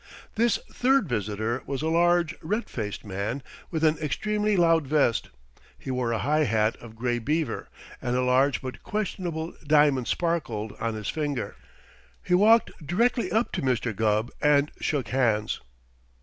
This third visitor was a large, red faced man with an extremely loud vest. He wore a high hat of gray beaver, and a large but questionable diamond sparkled on his finger. He walked directly up to Mr. Gubb and shook hands.